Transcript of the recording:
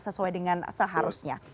sesuai dengan seharusnya